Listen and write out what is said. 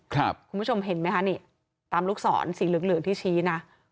คุณผู้ชมเห็นมั้ยคะนี่ตามลูกศรสีเหลืองที่ชี้นะ